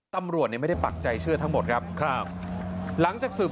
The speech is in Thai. ตำรวจเนี่ยไม่ได้ปักใจเชื่อทั้งหมดครับครับหลังจากสืบ